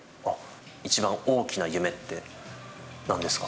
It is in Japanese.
一番大きな夢ってなんですか。